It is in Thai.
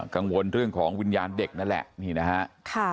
กังวลเรื่องของวิญญาณเด็กนั่นแหละนี่นะฮะ